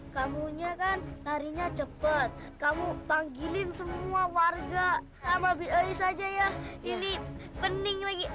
kamu nyetan harinya cepet kamu panggilin semua warga sama biaya saja ya ini pening lagi